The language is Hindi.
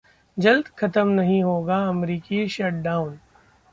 जल्द खत्म नहीं होगा अमेरिकी शटडाउन